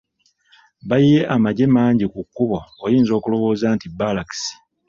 Bayiye amagye mangi ku kkubo oyinza okulowooza nti bbaalakisi.